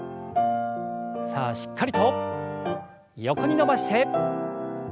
さあしっかりと横に伸ばして。